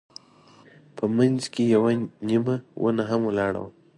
په منځ کې یوه نیمه ونه هم ولاړه وه.